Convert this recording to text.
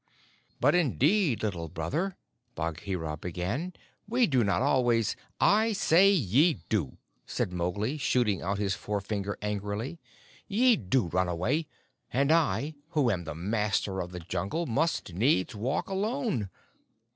"But, indeed, Little Brother," Bagheera began, "we do not always " "I say ye do," said Mowgli, shooting out his forefinger angrily. "Ye do run away, and I, who am the Master of the Jungle, must needs walk alone.